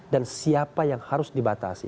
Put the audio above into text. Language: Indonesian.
dan siapa yang harus dibatasi